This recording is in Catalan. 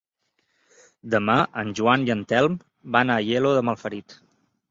Demà en Joan i en Telm van a Aielo de Malferit.